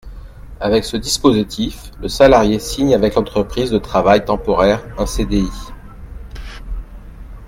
Avec ce dispositif, le salarié signe avec l’entreprise de travail temporaire un CDI.